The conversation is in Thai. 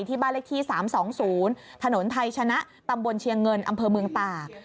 ที่บ้านเลขที่๓๒๐ถนนไทยชนะตำบลเชียงเงินอำเภอเมืองตาก